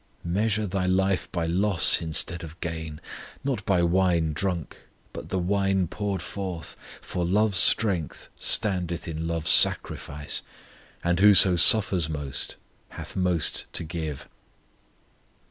Measure thy life by loss instead of gain; Not by the wine drunk, but the wine poured forth; For love's strength standeth in love's sacrifice; _And whoso suffers most, hath most to give.